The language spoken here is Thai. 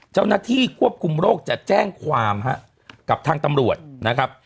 เจ้าหน้าที่ควบคุมโรคจะแจ้งความกับทางตำรวจนะครับ